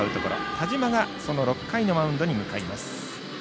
田嶋が、その６回のマウンドに向かいます。